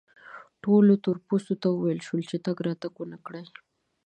ټولو تور پوستو ته وویل شول چې تګ راتګ و نه کړي.